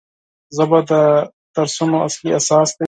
ژبه د درسونو اصلي اساس دی